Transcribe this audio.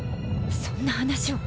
そんな話は。